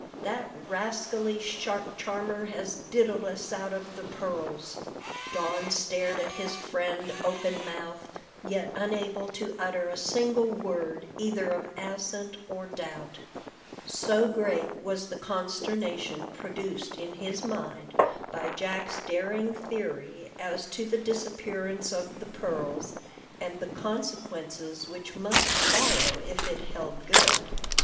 That rascally shark charmer has diddled us out of the pearls." Don stared at his friend open mouthed, yet unable to utter a single word either of assent or doubt, so great was the consternation produced in his mind by Jack's daring theory as to the disappearance of the pearls, and the consequences which must follow if it held good.